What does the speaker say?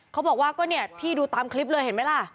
เขาบอกว่าก็เนี่ยพี่ดูตามคลิปเลยเห็นไหมล่ะ